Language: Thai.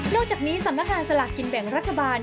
อกจากนี้สำนักงานสลากกินแบ่งรัฐบาล